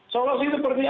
solusi seperti apa